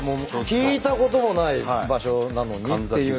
聞いたこともない場所なのにっていうのは。